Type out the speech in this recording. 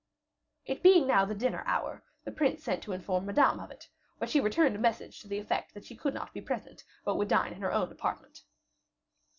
It being now the dinner hour, the prince sent to inform Madame of it; but she returned a message to the effect that she could not be present, but would dine in her own apartment.